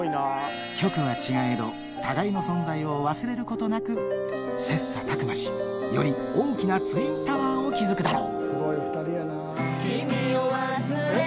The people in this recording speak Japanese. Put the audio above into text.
局は違えど、互いの存在を忘れることなく、切さたく磨し、より大きなツインタワーを築くだろう。